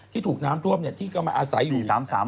ที่ถูกน้ำทวบที่ก็มาอาศัยอยู่